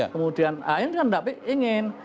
kemudian akhirnya tidak ingin